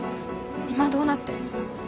今どうなってんの？